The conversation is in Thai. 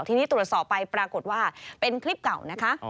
ทีนี้ตรวจสอบไปปรากฏว่าเป็นคลิปเก่านะคะ